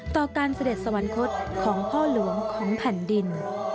ต่อการเสด็จสวรรคตของพ่อหลวงของแผ่นดิน